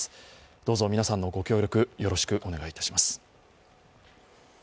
どうぞ皆さんのご協力、よろしくお願いいたします。